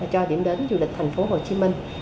cho điểm đến du lịch thành phố hồ chí minh